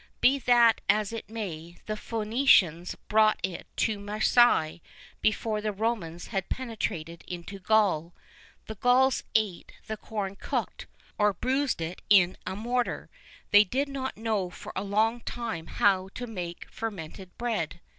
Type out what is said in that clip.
Be that as it may, the Phocians brought it to Marseilles before the Romans had penetrated into Gaul. The Gauls ate the corn cooked, or bruised in a mortar; they did not know for a long time how to make fermented bread.